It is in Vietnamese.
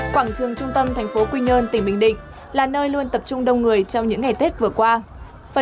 quảng trường trung tâm thành phố quy nhơn tỉnh bình định là nơi luôn tập trung đông người trong những ngày tết vừa qua